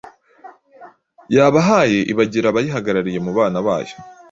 yabahaye ibagira abayihagariye mu bana bayo.